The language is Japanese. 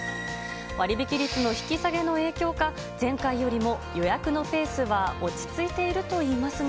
割引率の引き下げの影響か、前回よりも予約のペースは落ち着いているといいますが。